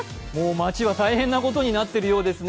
街は大変なことになってるようですね